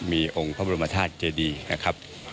มีองค์พระบรมธาตุเจดีนะครับ